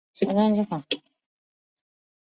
欧卡是葡萄牙阿威罗区的一个堂区。